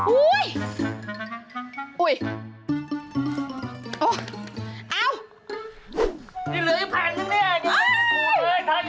อุ๊ยอุ๊ยโอ๊ยอ้าวนี่เหลือไอ้พันธุ์นึงเนี่ย